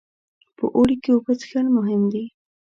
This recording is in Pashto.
په اوړي کې اوبه څښل مهم دي.